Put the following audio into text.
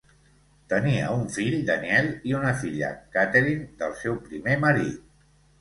Tenia un fill, Daniel, i una filla, Katherine, del seu primer marit.